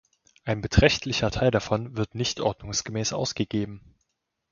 Ein beträchtlicher Teil davon wird nicht ordnungsgemäß ausgegeben.